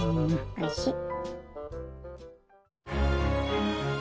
おいしっ。